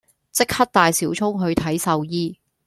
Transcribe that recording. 即刻帶小聰去睇獸醫